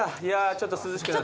ちょっと涼しくなって。